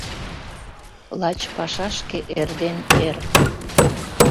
Лач пашашке эрден эр